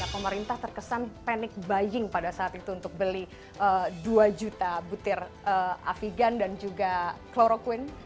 pemerintah terkesan panic buying pada saat itu untuk beli dua juta butir afigan dan juga kloroquine